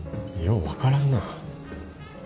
よう分からんな。